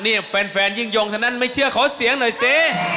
นี่แฟนยิ่งยงเท่านั้นไม่เชื่อขอเสียงหน่อยสิ